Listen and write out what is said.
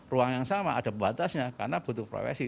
ruang yang sama ada pembatasnya karena butuh profesi